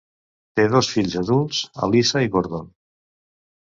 Té dos fills adults, Alissa i Gordon.